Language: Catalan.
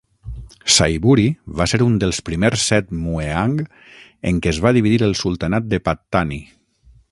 Saiburi va ser un dels primers set "Mueang" en què es va dividir el sultanat de Pattani.